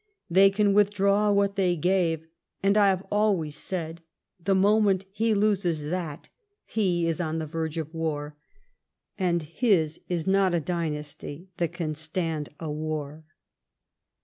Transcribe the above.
They can withdraw what they gave, and I have always said the moment he loses that he is on the verge of a war, and his is not a dynasty that can stand a war.